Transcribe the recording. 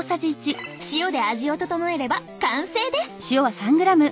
塩で味を調えれば完成です！